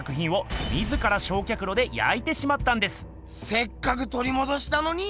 せっかく取り戻したのに？